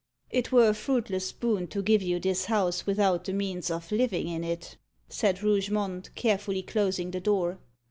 "It were a fruitless boon to give you this house without the means of living in it," said Rougemont, carefully closing the door.